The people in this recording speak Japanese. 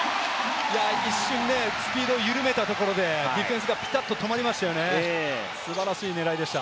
一瞬スピードを緩めたところでディフェンスがピタッと止まりましたよね、素晴らしい狙いでした。